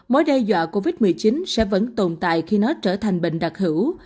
mối đe dọa covid một mươi chín sẽ vẫn tồn tại khi nó trở thành bệnh đặc hữu